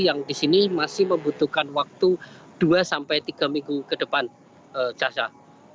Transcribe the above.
yang di sini masih membutuhkan waktu dua tiga minggu ke depan cah syah